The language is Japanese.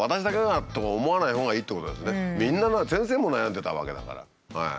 みんなが先生も悩んでたわけだから。